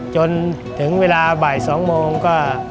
จนถึงเวลาบ่าย๒โมงก็